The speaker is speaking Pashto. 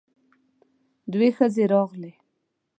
دوې ښځې راغلې.